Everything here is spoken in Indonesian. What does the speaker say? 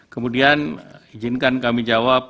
kemudian izinkan kami jawab